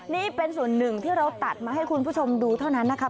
นี่เป็นส่วนหนึ่งที่เราตัดมาให้คุณผู้ชมดูเท่านั้นนะครับ